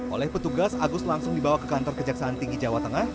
oleh petugas agus langsung dibawa ke kantor kejaksaan tinggi jawa tengah